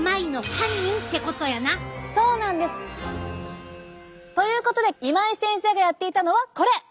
そうなんです！ということで今井先生がやっていたのはこれ！